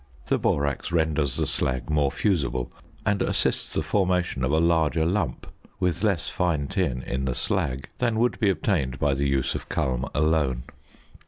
The borax renders the slag more fusible, and assists the formation of a larger lump (with less fine tin in the slag) than would be obtained by the use of culm alone.